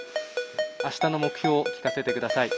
あしたの目標聞かせてください。